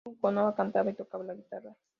Judy Canova cantaba y tocaba la guitarra.